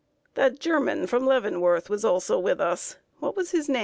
That German from Leavenworth was also with us what was his name?"